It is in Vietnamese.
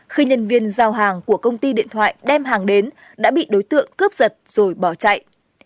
khi nhân viên giao hàng của công ty điện thoại đem hàng đến đã bị đối tượng cướp giật rồi bỏ chạy